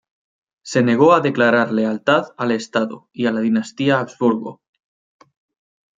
Se negó a declarar lealtad al Estado y a la dinastía Habsburgo.